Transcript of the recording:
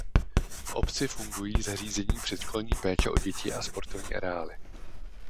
V obci fungují zařízení předškolní péče o děti a sportovní areály.